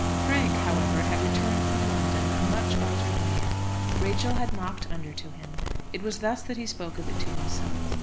Frank, however, had returned from London a much altered man. Rachel had knocked under to him. It was thus that he spoke of it to himself.